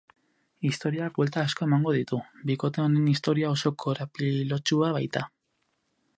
Istorioak buelta asko emango ditu, bikote honen istoria oso korapilotsua baita.